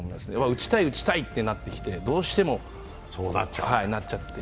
打ちたい、打ちたいとなってきて、どうしてもそうなっちゃって。